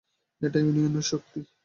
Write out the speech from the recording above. এটাই ইউনিয়নের শক্তি।